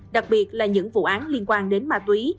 đặc biệt là những vụ án liên quan đến vụ án